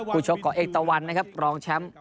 คู่แชมป์ของเอ็กตวันลองแชมป์